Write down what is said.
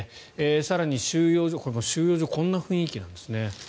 更に、収容所はこんな雰囲気なんですね。